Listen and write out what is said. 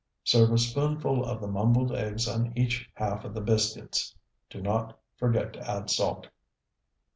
Serve a spoonful of the mumbled eggs on each half of the biscuits. Do not forget to add salt.